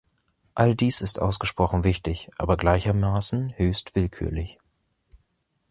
All dies ist ausgesprochen wichtig, aber gleichermaßen höchst willkürlich.